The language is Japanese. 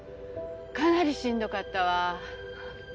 かなりしんどかったわ。